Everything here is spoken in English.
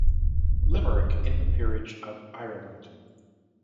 Limerick, in the peerage of Ireland.